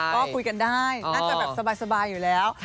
ก็คุยกันได้น่าจะแบบสบายอยู่แล้ว